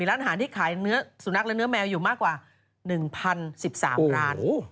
ร้านอาหารที่ขายเนื้อสุนัขและเนื้อแมวอยู่มากกว่า๑๐๑๓ร้าน